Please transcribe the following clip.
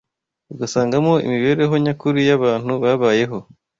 ugasangamo imibereho nyakuri y’abantu babayeho